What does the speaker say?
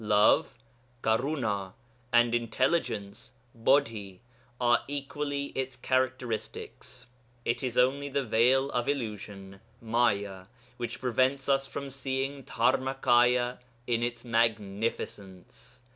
Love (karunâ) and intelligence (bodhi) are equally its characteristics. It is only the veil of illusion (maya) which prevents us from seeing Dharmakâya in its magnificence.